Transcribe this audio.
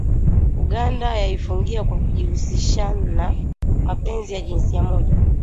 Uganda yaifungia kwa kujihusishanna mapenzi ya jinsia moja